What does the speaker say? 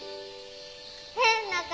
変な顔！